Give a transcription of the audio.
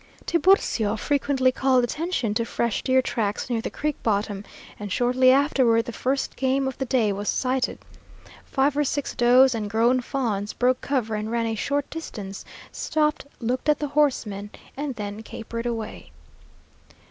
Tiburcio frequently called attention to fresh deer tracks near the creek bottom, and shortly afterward the first game of the day was sighted. Five or six does and grown fawns broke cover and ran a short distance, stopped, looked at the horsemen, and then capered away.